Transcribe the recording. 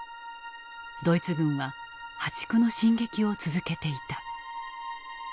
ドイツ軍は破竹の進撃を続けていた。